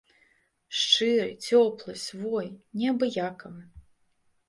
Шчыры, цёплы, свой, неабыякавы.